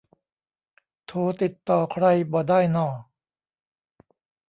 โทรติดต่อใครบ่ได้น่อ